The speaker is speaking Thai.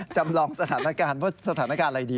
จำลองสถานการณ์ว่าสถานการณ์อะไรดี